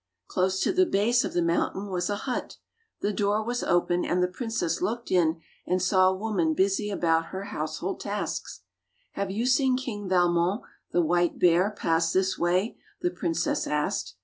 Close to the base of the mountain was a hut. The door was open, and the princess looked in and saw a woman busy about her household tasks. "Have you seen King Valmon, the white bear, pass this way?" the princess asked.